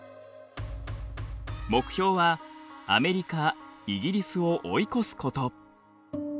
目標はアメリカイギリスを追い越すこと。